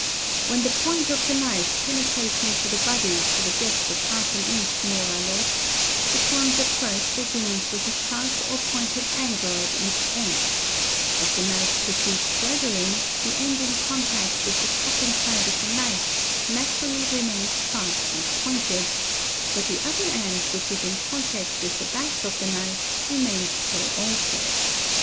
When the point of the knife penetrates into the body to the depth of half an inch more or less, it forms at first a wound with a sharp or pointed angle at each end; as the knife proceeds further in, the end in contact with the cutting side of the knife naturally remains sharp and pointed; but the other end which is in contact with the back of the knife remains so also.